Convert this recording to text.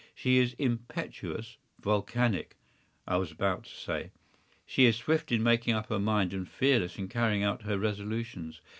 She is impetuous—volcanic, I was about to say. She is swift in making up her mind, and fearless in carrying out her resolutions.